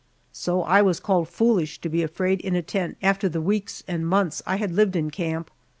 So I was called foolish to be afraid in a tent after the weeks and months I had lived in camp.